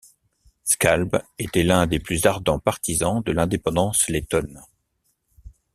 Skalbe était l'un des plus ardents partisans de l'indépendance lettonne.